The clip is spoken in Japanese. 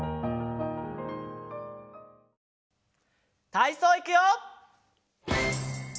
たいそういくよ！